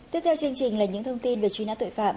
tiếp theo chương trình là những thông tin về truy nã tội phạm